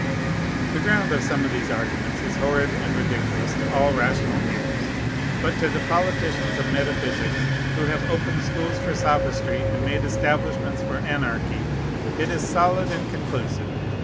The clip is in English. The ground of some of these arguments is horrid and ridiculous to all rational ears; but to the politicians of metaphysics, who have opened schools for sophistry, and made establishments for anarchy, it is solid and conclusive.